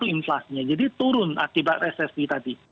enam satu inflasinya jadi turun akibat resesi tadi